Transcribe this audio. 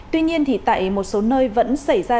tuy nhiên thì tại một số nơi vẫn xảy ra